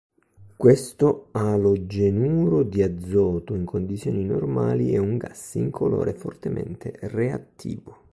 Questo alogenuro di azoto in condizioni normali è un gas incolore fortemente reattivo.